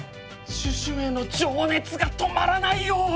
シュシュへの情熱が止まらないよ！